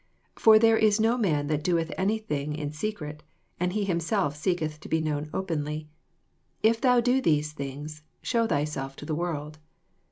4 For therB is no man that doeth any thing in secret, and he himself seeketh to be known openly. If thou do these things, shew thyself to the world.